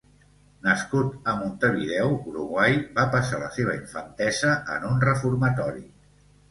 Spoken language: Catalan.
Nascut a Montevideo, Uruguai, va passar la seva infantesa en un reformatori.